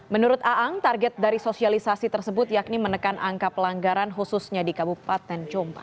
menurut aang target dari sosialisasi tersebut yakni menekan angka pelanggaran khususnya di kabupaten jombang